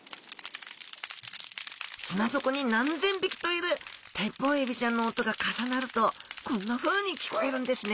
砂底に何千匹といるテッポウエビちゃんの音が重なるとこんなふうに聞こえるんですね・